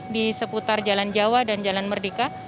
di seputar jalan jawa dan jalan merdeka